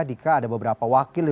dika ada beberapa